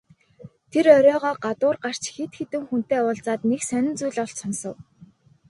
Тэр оройгоо гадуур гарч хэд хэдэн хүнтэй уулзаад нэг сонин зүйл олж сонсов.